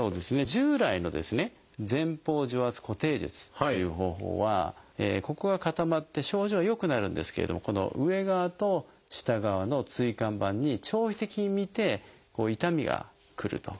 従来のですね前方除圧固定術という方法はここが固まって症状は良くなるんですけれどもこの上側と下側の椎間板に長期的に見て痛みがくると。